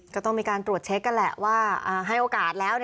ก็ต้องมีการตรวจเช็คกันแหละว่าให้โอกาสแล้ว